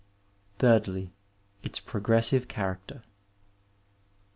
Thirdly, its frogressive cka/rader.